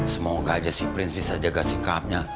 semoga aja si prince bisa jaga sikapnya